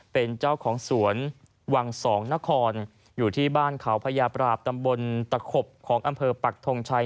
เป็นเจ้าของสวนวังสองนครอยู่ที่บ้านเขาพญาปราบตำบลตะขบของอำเภอปักทงชัย